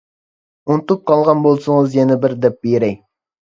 ئۇنتۇپ قالغان بولسىڭىز يەنە بىر دەپ بېرەي.